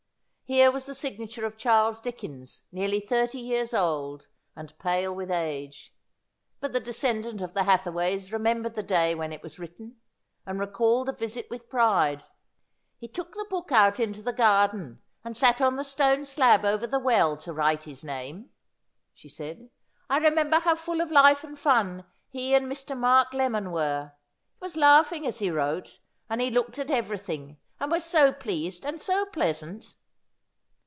Here was the signature of Charles Dickens, nearly thirty years old, and pale with age. But the descendant of the Hathaways remembered the day when it was written, and recalled the visit with pride. ' He took the book out into the garden, and sat on the stone slab over the well to write his name,' she said. ' I remember how full of life and fun he and Mr. Mark Lemon were ; he was laughing as he wrote, and he looked at everything, and was so pleased and so pleasant.'